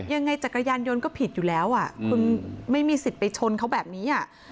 จักรยานยนต์ก็ผิดอยู่แล้วอ่ะคุณไม่มีสิทธิ์ไปชนเขาแบบนี้